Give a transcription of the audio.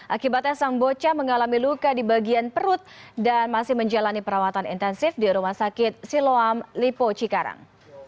akibatnya sang bocah mengalami luka di bagian perut dan masih menjalani perawatan intensif di rumah sakit siloam lipo cikarang